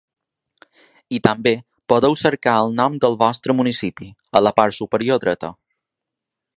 I també podeu cercar el nom del vostre municipi, a la part superior dreta.